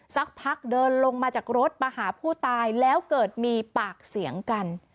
สักพักเดินลงมาจากรถมาหาผู้ตายแล้วเกิดมีปากเสียงกัน